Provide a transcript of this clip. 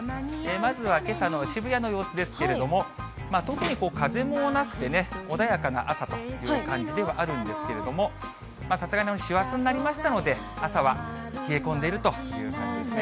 まずはけさの渋谷の様子ですけれども、特に風もなくてね、穏やかな朝という感じではあるんですけれども、さすがに師走になりましたので、朝は冷え込んでいるという感じですね。